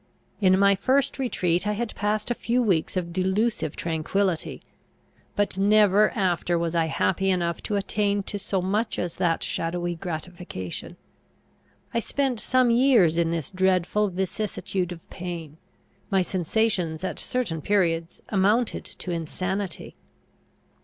In my first retreat I had passed a few weeks of delusive tranquillity, but never after was I happy enough to attain to so much as that shadowy gratification. I spent some years in this dreadful vicissitude of pain. My sensations at certain periods amounted to insanity.